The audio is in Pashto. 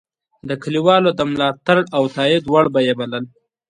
د کلیوالو د ملاتړ او تایید وړ به یې بلل.